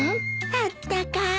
あったかい。